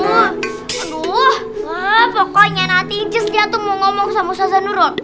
aduh pokoknya nanti njus lia tuh mau ngomong sama sazanurul